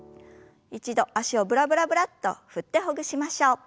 一度脚をブラブラブラッと振ってほぐしましょう。